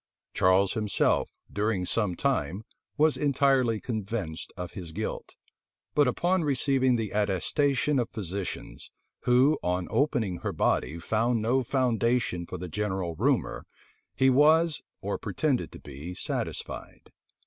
Charles himself, during some time, was entirely convinced of his guilt; but upon receiving the attestation of physicians, who, on opening her body, found no foundation for the general rumor, he was, or pretended to be, satisfied.